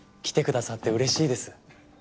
来てくださって嬉しいです。